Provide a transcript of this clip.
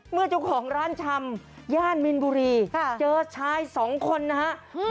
เมื่อเจ้าของร้านชำญาติมินบุรีค่ะเจอชายสองคนนะอืม